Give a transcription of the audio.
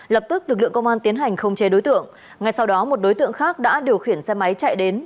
lập tức lực lượng công an tiến hành không chế đối tượng ngay sau đó một đối tượng khác đã điều khiển xe máy chạy đến